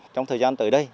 trong thời gian tới đây